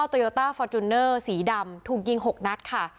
โตโยต้าฟอร์จูเนอร์สีดำถูกยิง๖นัดค่ะ